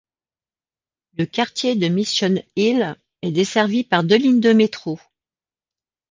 Le quartier de Mission Hill est desservi par deux lignes de métro.